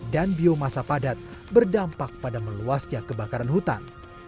dan biomasa padat berdampak pada meluasnya kebakaran hutan